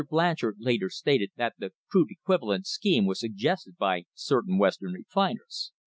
Blanchard later stated that the 'crude equivalent" scheme was suggested by certain Western refiners.